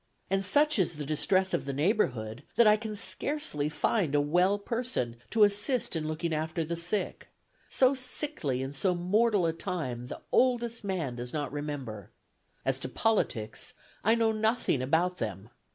And such is the distress of the neighborhood that I can scarcely find a well person to assist in looking after the sick. ... So sickly and so mortal a time the oldest man does not remember. ... As to politics, I know nothing about them.